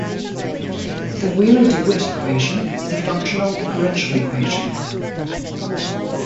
The Wheeler-DeWitt equation is a functional differential equation.